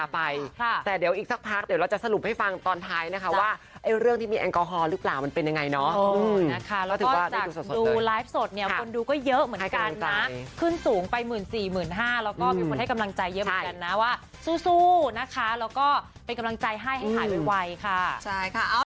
ไปหมื่นสี่หมื่นห้าแล้วก็มีคนให้กำลังใจเยอะเหมือนกันนะว่าสู้สู้นะคะแล้วก็เป็นกำลังใจให้หายไวค่ะใช่ค่ะ